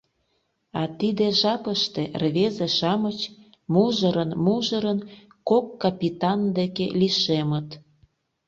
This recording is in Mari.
А тиде жапыште рвезе-шамыч мужырын-мужырын кок капитан деке лишемыт.